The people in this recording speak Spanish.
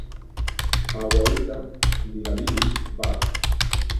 Haworthia mirabilis var.